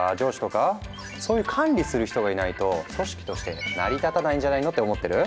そういう管理する人がいないと組織として成り立たないんじゃないの？」って思ってる？